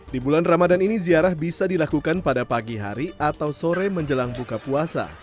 di bulan ramadan ini ziarah bisa dilakukan pada pagi hari atau sore menjelang buka puasa